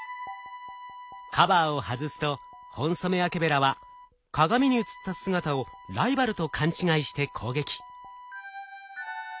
カバーを外すとホンソメワケベラは鏡に映った姿をライバルと勘違いして攻撃。